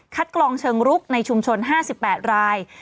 กลองเชิงรุกในชุมชน๕๘ราย